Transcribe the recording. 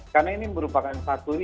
karena ini merupakan satu ini